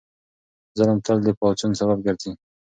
ظلم تل د پاڅون سبب ګرځي.